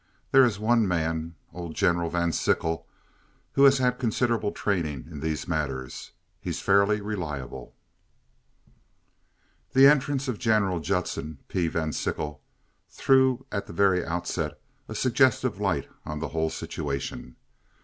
There is one man, old General Van Sickle, who has had considerable training in these matters. He's fairly reliable." The entrance of Gen. Judson P. Van Sickle threw at the very outset a suggestive light on the whole situation.